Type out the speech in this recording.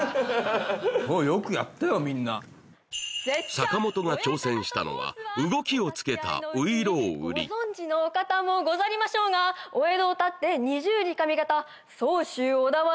坂本が挑戦したのは動きをつけた外郎売御存知のお方もござりましょうがお江戸を立って二十里上方相州小田原